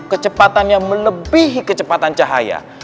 kecepatannya melebihi kecepatan cahaya